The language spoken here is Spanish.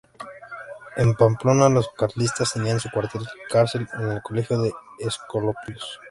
En Pamplona los carlistas tenían su cuartel-cárcel en el colegio de los Escolapios.